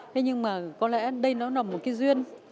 thế nhưng mà có lẽ đây nó là một cái duyên